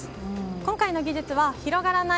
今回の技術は広がらない